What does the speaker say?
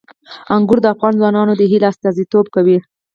انګور د افغان ځوانانو د هیلو استازیتوب کوي.